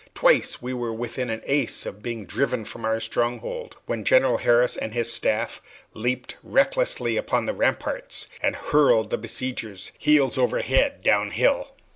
Twice we were within an ace of being driven from our stronghold, when General Harris and his staff leaped recklessly upon the ramparts and hurled the besiegers heels over head down hill.